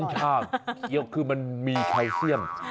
ผมชอบก็คือมันมีไข่เสี่ยง